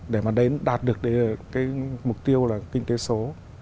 để đạt được mục tiêu kinh tế số